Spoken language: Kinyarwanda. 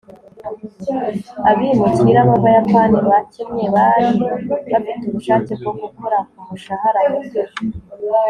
abimukira b'abayapani bakennye bari bafite ubushake bwo gukora ku mushahara muto